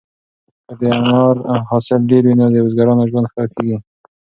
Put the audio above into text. که د انار حاصل ډېر وي نو د بزګرانو ژوند ښه کیږي.